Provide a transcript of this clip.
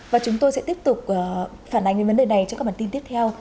và chúng tôi sẽ tiếp tục phản ánh về vấn đề này trong các bản tin tiếp theo